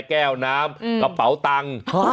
แก้วน้ำกระเป๋าตังค์